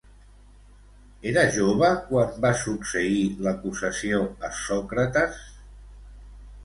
Era jove quan va succeir l'acusació a Sòcrates?